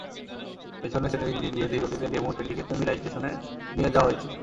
পেছনের সেটের ইঞ্জিন দিয়ে ধীরগতিতে ডেমু ট্রেনটিকে কুমিরা স্টেশনে নিয়ে যাওয়া হয়েছে।